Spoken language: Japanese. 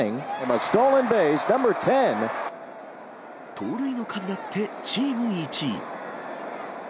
盗塁の数だってチーム１位。